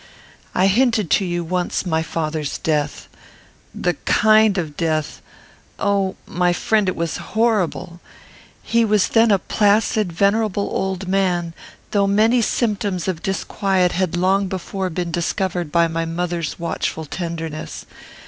I hinted to you once my father's death. The kind of death oh! my friend! It was horrible. He was then a placid, venerable old man; though many symptoms of disquiet had long before been discovered by my mother's watchful tenderness.